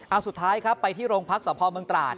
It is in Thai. เอาสุดท้ายครับไปที่โรงพักษภาวเมืองตราด